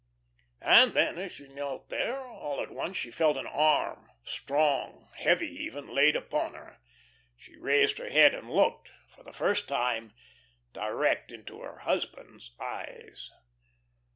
And then as she knelt there, all at once she felt an arm, strong, heavy even, laid upon her. She raised her head and looked for the first time direct into her husband's eyes.